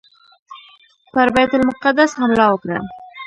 پر بیت المقدس حمله وکړه.